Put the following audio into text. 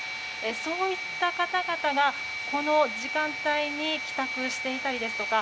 そういった方々がこの時間帯に帰宅していたりですとか